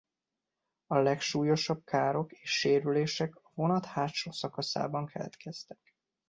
A legsúlyosabb károk és sérülések a vonat hátsó szakaszában keletkeztek.